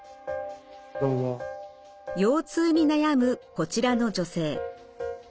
腰痛に悩むこちらの女性。